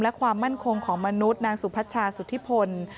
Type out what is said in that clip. และความมั่นคงของมนุษย์นางสุพัชชาสุธิพล